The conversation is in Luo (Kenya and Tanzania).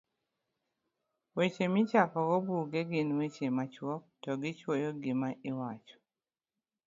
Weche Michakogo Buge gin weche machuok to gichuoyo gima iwacho.